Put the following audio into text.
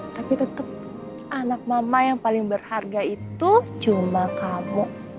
tapi tetap anak mama yang paling berharga itu cuma kamu